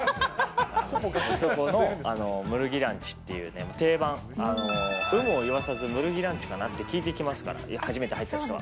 あそこのムルギーランチっていう、定番、有無を言わさず、ムルギーランチかなって聞いてきますから、初めて入った人は。